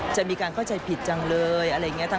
จะมีการเข้าใจผิดจังเลยอะไรอย่างนี้